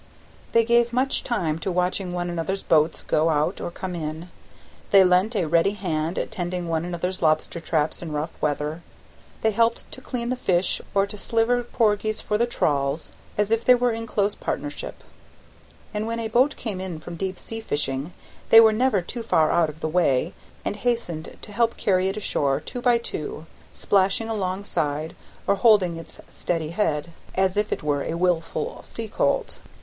They gave much time to watching one another's boats go out or come in; they lent a ready hand at tending one another's lobster traps in rough weather; they helped to clean the fish or to sliver porgies for the trawls, as if they were in close partnership; and when a boat came in from deep sea fishing they were never too far out of the way, and hastened to help carry it ashore, two by two, splashing alongside, or holding its steady head, as if it were a willful sea colt.